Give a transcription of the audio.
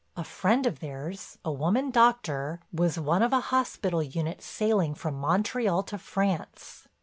A friend of theirs, a woman doctor, was one of a hospital unit sailing from Montreal to France.